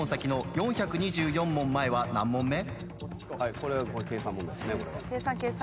これは計算問題ですね。